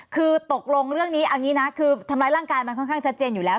คือตกลงเรื่องนี้เอางี้นะคือทำร้ายร่างกายมันค่อนข้างชัดเจนอยู่แล้ว